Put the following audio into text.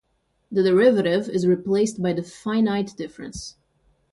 The derivative is replaced by the finite difference.